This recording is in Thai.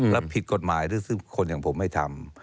แล้วผิดกฎหมายหรือคนอย่างผมไม่ทำ